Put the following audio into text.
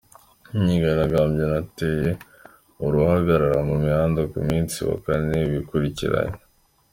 Imyigaragambyo yanateye uruhagarara mu mihanda ku munsi wa kane wikurikiranya.